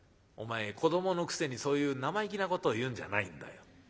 「お前子どものくせにそういう生意気なことを言うんじゃないんだよ。